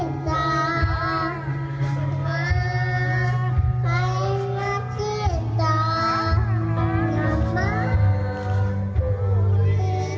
nama ku akan hebatku